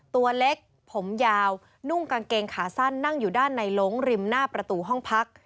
ตัวเล็กผมยาวนุ่งกางเกงขาสั้นนั่งอยู่ด้านในหลงริมหน้าประตูห้องพัก